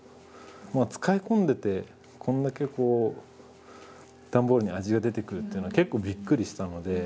使い込んでてこんだけこう段ボールに味が出てくるっていうのは結構びっくりしたので。